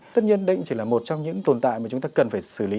tất nhiên đây chỉ là một trong những tồn tại mà chúng ta cần phải xử lý